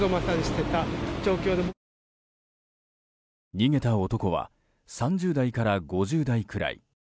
逃げた男は３０代から５０代くらい。